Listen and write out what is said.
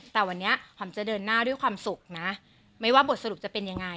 แต่วันนี้หอมจะเดินหน้าด้วยความสุขนะไม่ว่าบทสรุปจะเป็นยังไง